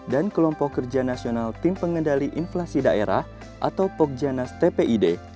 dan kelompok kerja nasional tim pengendali inflasi daerah atau pogjanas tpid